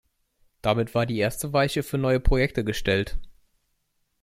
Damit war die erste Weiche für neue Projekte gestellt.